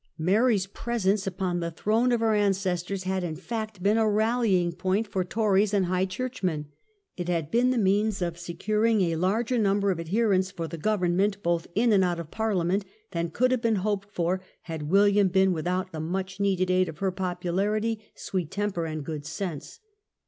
Mary's presence upon the throne of her ancestors had in fact been a rallying point for Tories and High Churchmen. It had been the means of securing a larger number of adherents for government, both in and out of Parliament, than could have been hoped for had William been without the much needed aid of her popularity, sweet temper, and good sense.